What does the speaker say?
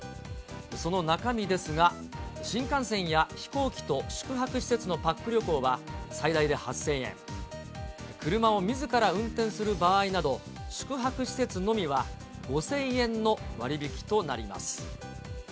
その中身ですが、新幹線や飛行機と宿泊施設のパック旅行は最大で８０００円、車をみずから運転する場合など、宿泊施設のみは５０００円の割引となります。